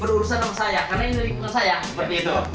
berurusan sama saya karena ini ritme saya seperti itu